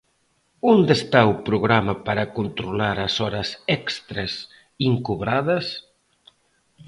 ¿Onde está o programa para controlar as horas extras incobradas?